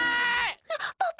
パパ！